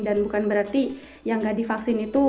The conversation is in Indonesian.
dan bukan berarti yang enggak divaksin itu